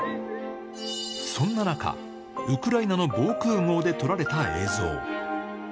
そんな中、ウクライナの防空ごうで撮られた映像。